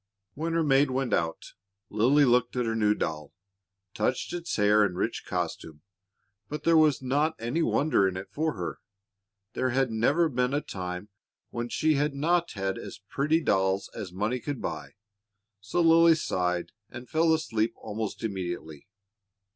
When her maid went out, Lily looked at her new doll, touched its hair and rich costume, but there was not any wonder in it for her; there had never been a time when she had not had as pretty dolls as money could buy; so Lily sighed and fell asleep almost immediately.